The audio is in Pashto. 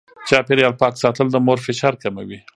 چاپېريال پاک ساتل د مور فشار کموي.